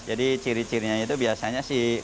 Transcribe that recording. jadi ciri cirinya itu biasanya si papan